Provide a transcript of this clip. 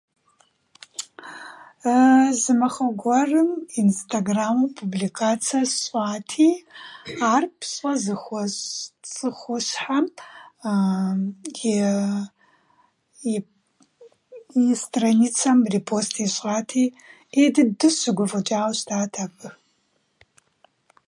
Зы махуэ гуэрым Инстаграмым нэтын сщ1ати, ар пщ1э зыхуэсщ1 ц1ыхущхьэм и напэк1уэц1ым репост щищ1ати, 1едыду сыщыгуф1ык1ауэ щытащ абы.